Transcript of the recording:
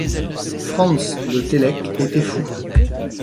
Franz de Télek était fou.